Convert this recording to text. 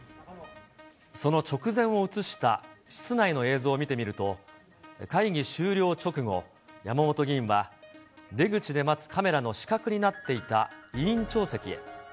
その直前を映した室内の映像を見てみると、会議終了直後、山本議員は出口で待つカメラの死角になっていた委員長席へ。